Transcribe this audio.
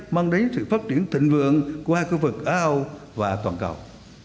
mang đến sự phát triển thịnh vượng của hai khu vực eu và toàn cầu